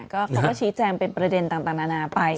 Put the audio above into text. เขาก็ชี้แจงเป็นประเด็นต่างนานาไป